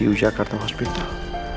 icu jakarta hospital